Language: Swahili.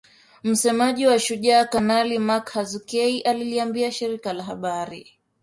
Msemaji wa Shujaa, Kanali Mak Hazukay aliliambia shirika la habari